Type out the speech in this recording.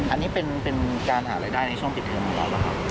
อันนี้เป็นการหารายได้ในช่วงปิดเทอมอยู่แล้วหรือครับ